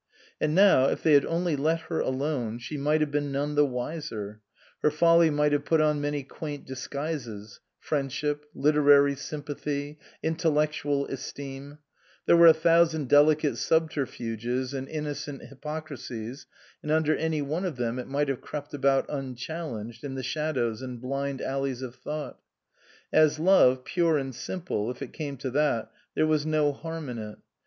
And now, if they had only let her alone, she might have been none the wiser ; her folly might have put on many quaint disguises, friendship, literary sympathy, intellectual esteem there were a thousand delicate subterfuges and innocent hypocrisies, and under any one of them it might have crept about unchallenged in the shadows and blind alleys of thought. As love pure and simple, if it came to that, there was no harm in it.